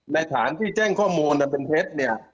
ในฐานที่แจ้งข้อมูลนั้นเป็นเข้ด